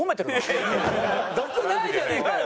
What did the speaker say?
毒ないじゃねえかよ。